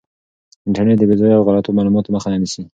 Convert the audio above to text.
انټرنیټ د بې ځایه او غلطو معلوماتو مخه هم نیسي.